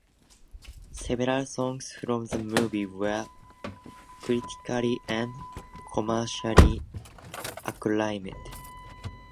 Several songs from the movie were critically and commercially acclaimed.